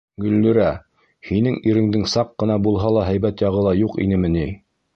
Гөллирә, һинең иреңдең саҡ ҡына булһа ла һәйбәт яғы юҡ инеме ни?